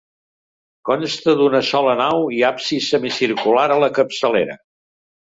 Consta d'una sola nau i absis semicircular a la capçalera.